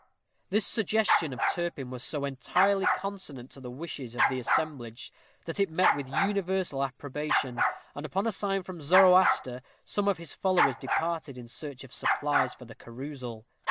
This suggestion of Turpin was so entirely consonant to the wishes of the assemblage, that it met with universal approbation; and upon a sign from Zoroaster, some of his followers departed in search of supplies for the carousal.